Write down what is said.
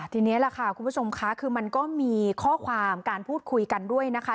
ทีนี้แหละค่ะคุณผู้ชมค่ะคือมันก็มีข้อความการพูดคุยกันด้วยนะคะ